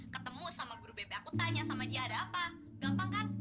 ketemu sama guru bp aku tanya sama dia ada apa gampang kan